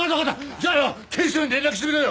じゃあよ警視庁に連絡してくれよ。